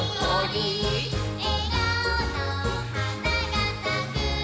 「えがおのはながさく」